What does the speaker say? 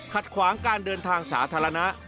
ขวางการเดินทางสาธารณะ